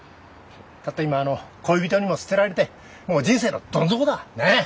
たった今あの恋人にも捨てられてもう人生のどん底だ。ねえ？